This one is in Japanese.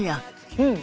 うん！